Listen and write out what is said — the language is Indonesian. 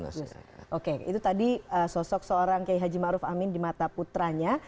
nah sekarang kita sudah lihat bahwa sosok seorang keihaji ma'ruf amin di mata putranya